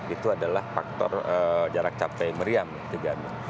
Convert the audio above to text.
itu adalah faktor jarak capai meriam tiga mil